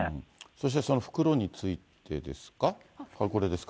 そしてその袋についてですか、これですか？